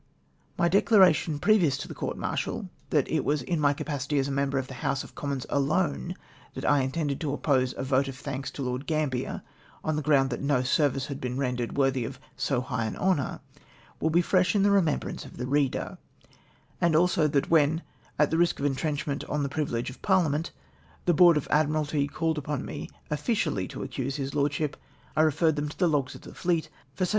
My declaration pre^^ious to the comi martial — that it was in my capacity as a member of the House of Commons alone that I intended to oppose a vote of thanks to Lord Gambler, on the ground that no ser\ace had been rendered worthy of so high an honour — will be fresh in the remembrance of the reader* ; and also that when, at the risk of intrench ment on the privilege of Parhament, the Board of Admiralty cahed upon me officially to accuse his lord ship, I referred them to the logs of the fleet for such * See my conversation with Lord Miilgrave, vol. i. pp. 345, 3 46. REFUSED BY A FOEMER GOVERNMENT.